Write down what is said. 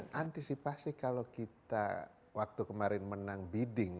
nah antisipasi kalau kita waktu kemarin menang bidding